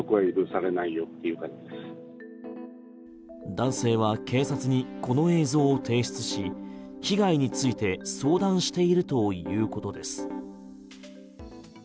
男性は警察にこの映像を提出し被害について相談しているということです。